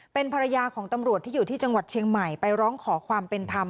เป็นภรรยาของตำรวจที่อยู่ที่จังหวัดเชียงใหม่ไปร้องขอความเป็นธรรม